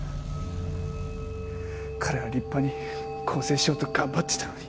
彼は立派に更生しようと頑張ってたのに。